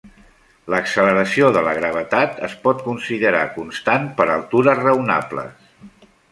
L'acceleració de la gravetat es pot considerar constant per altures raonables.